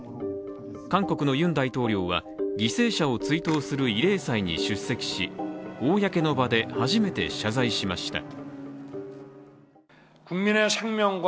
韓国のユン大統領は犠牲者を追悼する慰霊祭に出席し公の場で初めて謝罪しました。